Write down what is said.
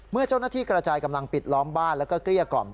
เมื่อเจ้าหน้าที่กระจายกำลังปิดล้อมบ้านแล้วก็เกลี้ยกล่อม